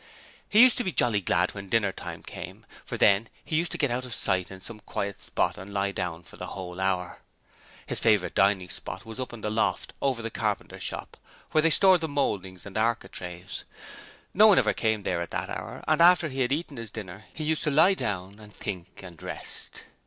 He used to be jolly glad when dinner time came, for then he used to get out of sight in some quiet spot and lie down for the whole hour. His favourite dining place was up in the loft over the carpenter's shop, where they stored the mouldings and architraves. No one ever came there at that hour, and after he had eaten his dinner he used to lie down and think and rest.